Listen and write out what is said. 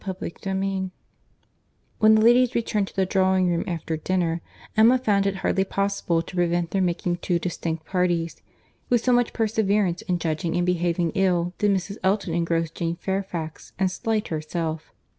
CHAPTER XVII When the ladies returned to the drawing room after dinner, Emma found it hardly possible to prevent their making two distinct parties;—with so much perseverance in judging and behaving ill did Mrs. Elton engross Jane Fairfax and slight herself.